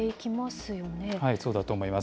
そうだと思います。